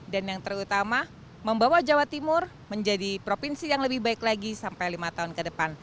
dan yang terutama membawa jawa timur menjadi provinsi yang lebih baik lagi sampai lima tahun ke depan